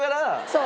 そう。